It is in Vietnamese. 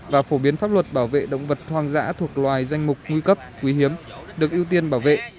và phổ biến pháp luật bảo vệ động vật hoang dã thuộc loài danh mục nguy cấp quý hiếm được ưu tiên bảo vệ